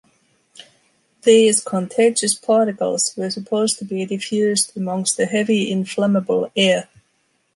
These contagious particles were supposed to be diffused amongst the heavy inflammable air.